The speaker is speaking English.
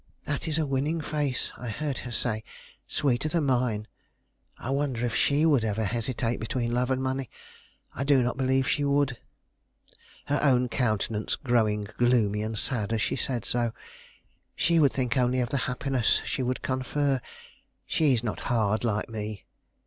"That is a winning face," I heard her say. "Sweeter than mine. I wonder if she would ever hesitate between love and money. I do not believe she would," her own countenance growing gloomy and sad as she said so; "she would think only of the happiness she would confer; she is not hard like me.